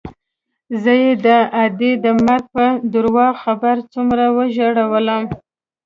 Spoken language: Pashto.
زه يې د ادې د مرګ په درواغ خبر څومره وژړولوم.